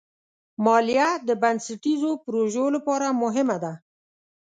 مالیه د بنسټیزو پروژو لپاره مهمه ده.